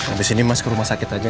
abis ini mas ke rumah sakit aja